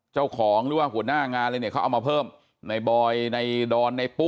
เจ้าของหรือว่าหัวหน้างานเลยเนี่ยเขาเอามาเพิ่มในบอยในดอนในปุ๊